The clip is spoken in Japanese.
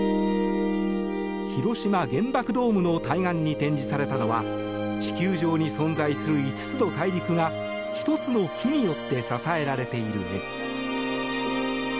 広島・原爆ドームの対岸に展示されたのは地球上に存在する５つの大陸が１つの木によって支えられている絵。